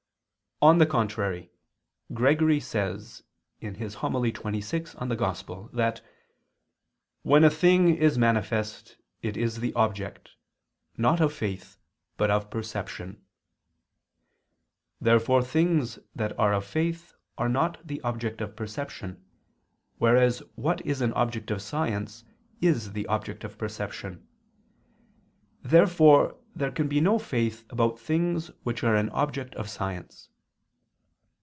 On the contrary, Gregory says (Hom. xxvi in Evang.) that "when a thing is manifest, it is the object, not of faith, but of perception." Therefore things that are of faith are not the object of perception, whereas what is an object of science is the object of perception. Therefore there can be no faith about things which are an object of science.